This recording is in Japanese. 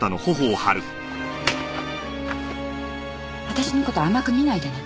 私の事甘く見ないでね。